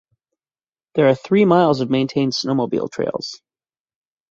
There are three miles of maintained snowmobile trails.